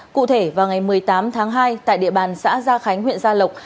cụ thể vào ngày một mươi tám tháng hai tại địa bàn xã gia khánh huyện gia lộc